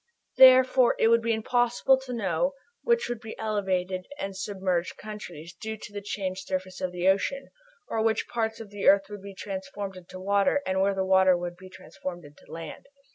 Therefore, it would be impossible to know which would be the elevated and submerged countries, due to the changed surface of the ocean, or which parts of the earth would be transformed into water, and where water would be transformed into land.